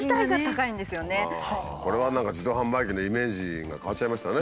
これは何か自動販売機のイメージが変わっちゃいましたね。